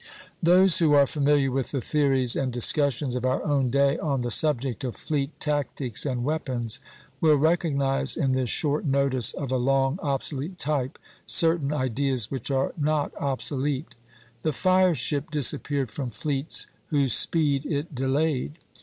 " Those who are familiar with the theories and discussions of our own day on the subject of fleet tactics and weapons, will recognize in this short notice of a long obsolete type certain ideas which are not obsolete. The fire ship disappeared from fleets "whose speed it delayed."